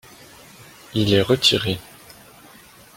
Il est retiré.